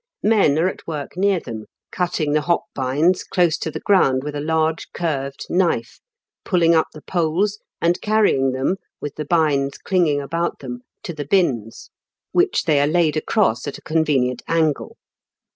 Men are at work near them, cutting the hop bines close to the ground with a large curved knife, pulling up the poles, and carrying them, with the bines clinging about them, to the binns, which they are laid across at a con venient angle.